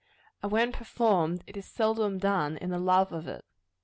And when performed, it is seldom done in the love of it.